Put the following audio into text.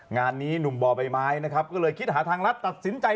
งานนี้หนุ่มบ่อใบไม้นะครับก็เลยคิดหาทางรัฐตัดสินใจ